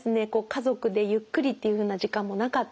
家族でゆっくりっていうふうな時間もなかったり。